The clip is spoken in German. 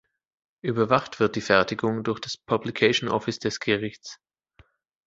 Überwacht wird die Fertigung durch das Publication Office des Gerichts.